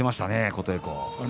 琴恵光。